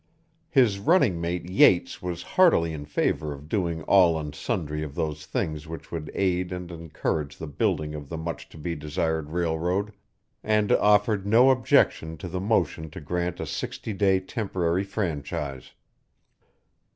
His running mate Yates was heartily in favour of doing all and sundry of those things which would aid and encourage the building of the much to be desired railroad and offered no objection to the motion to grant a sixty day temporary franchise.